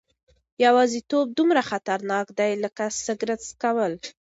یوازیتوب دومره خطرناک دی لکه سګرټ څکول.